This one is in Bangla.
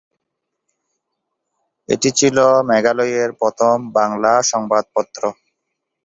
এটি ছিল মেঘালয়ের প্রথম বাংলা সংবাদপত্র।